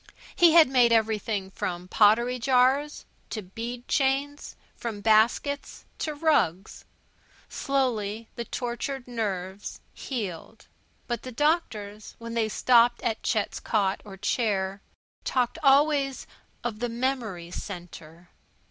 He had made everything from pottery jars to bead chains; from baskets to rugs. Slowly the tortured nerves healed. But the doctors, when they stopped at Chet's cot or chair, talked always of "the memory centre."